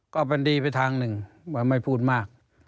ก็มันดีไปทางหนึ่งว่าไม่พูดมาก